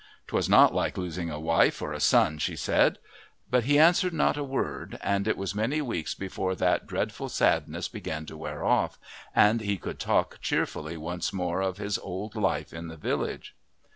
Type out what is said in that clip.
'Twas not like losing a wife or a son, she said; but he answered not a word, and it was many weeks before that dreadful sadness began to wear off, and he could talk cheerfully once more of his old life in the village.